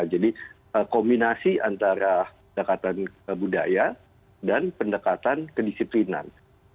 jadi kombinasi antara dekatan budaya dan pendekatan kedisiplinan